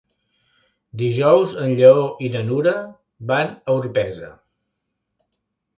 Dijous en Lleó i na Nura van a Orpesa.